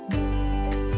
dua lebih sabar